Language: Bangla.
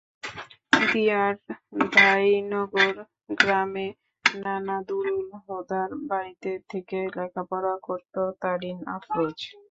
দিয়াড় ধাইনগর গ্রামে নানা দুরুল হোদার বাড়িতে থেকে লেখাপড়া করত তারিন আফরোজ।